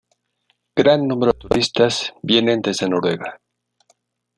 Gran número de turistas vienen desde Noruega.